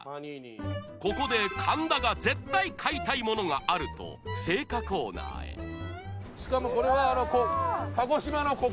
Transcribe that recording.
ここで神田が絶対買いたいものがあると青果コーナーへしかもこれは。